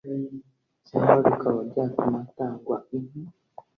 cyangwa bikaba byatuma hatangwa inka